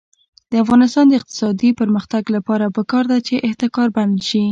د افغانستان د اقتصادي پرمختګ لپاره پکار ده چې احتکار بند شي.